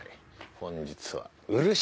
本日は「漆」。